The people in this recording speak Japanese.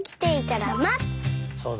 そうだね。